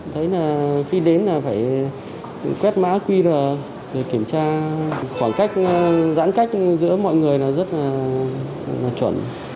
thấy là khi đến là phải quét má quy là kiểm tra khoảng cách giãn cách giữa mọi người là rất là chuẩn